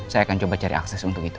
saya akan coba cari akses untuk itu